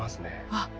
あっ。